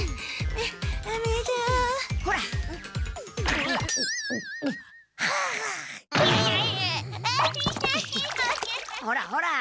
ほらほら。